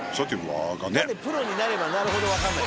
プロになればなるほどわかんない。